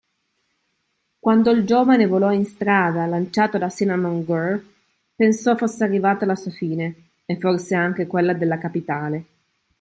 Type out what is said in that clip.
Quando il giovane volò in strada, lanciato da Cinnamon Girl, pensò fosse arrivata la sua fine e forse anche quella della capitale.